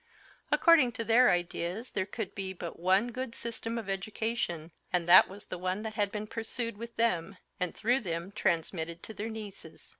According to their ideas there could be but one good system of education; and that was the one that had been pursued with them, and through them transmitted to their nieces.